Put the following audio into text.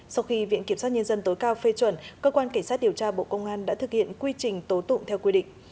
sau khi viện kiểm sát nhân dân tối cao phê chuẩn cơ quan cảnh sát điều tra bộ công an đã thực hiện quy trình tố tụng theo quy định